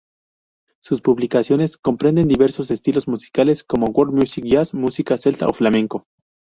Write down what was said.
Sus publicaciones comprenden diversos estilos musicales como world music, jazz, música celta o flamenco.